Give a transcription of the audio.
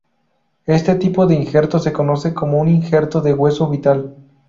Este tipo de injerto se conoce como un injerto de hueso vital.